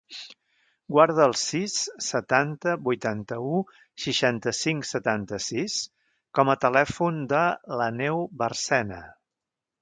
Guarda el sis, setanta, vuitanta-u, seixanta-cinc, setanta-sis com a telèfon de l'Aneu Barcena.